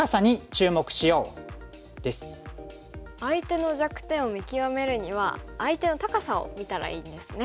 相手の弱点を見極めるには相手の高さを見たらいいんですね。